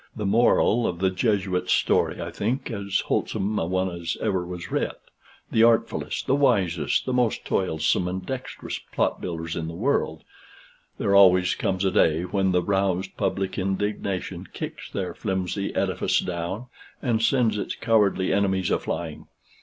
The moral of the Jesuits' story I think as wholesome a one as ever was writ: the artfullest, the wisest, the most toilsome, and dexterous plot builders in the world there always comes a day when the roused public indignation kicks their flimsy edifice down, and sends its cowardly enemies a flying.